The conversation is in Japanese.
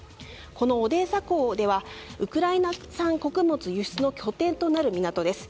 このオデーサ港ではウクライナ産小麦の輸出の拠点となる港です。